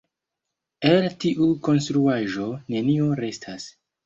El tiu konstruaĵo, nenio restas.